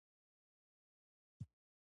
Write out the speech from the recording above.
پنبه په کومو ولایتونو کې ډیره کیږي؟